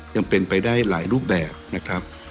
ยังเป็นไปได้หลายรูปแบบนะครับ